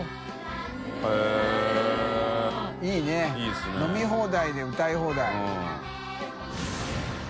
悗А繊いい飲み放題で歌い放題。